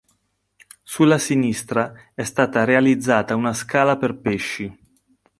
Sulla sinistra è stata realizzata una scala per pesci.